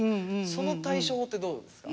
その対処法ってどうですか？